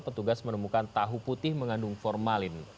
petugas menemukan tahu putih mengandung formalin